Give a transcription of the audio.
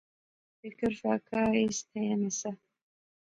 فکر فاقہ اس تھیا نہسا